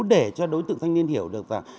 để cho đối tượng thanh niên hiểu được rằng